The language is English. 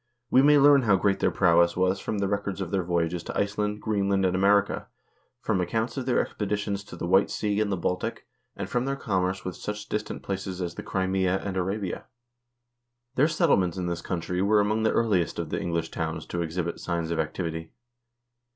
We may learn how great their prowess was from the records of their voyages to Iceland, Greenland, and America, from accounts of their expeditions to the White Sea and the Baltic, and from their commerce with such distant places as the Crimea and Arabia. Their settlements in this country were among the earliest of the English towns to ex hibit signs of activity.